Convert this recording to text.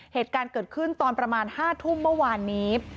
เหตุการณ์เกิดขึ้นตอนประมาณ๕ทุ่มเมื่อวานนี้